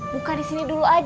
buka di sini dulu